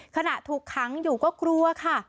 ขณะถูกขังอยู่ก็กลัวค่ะ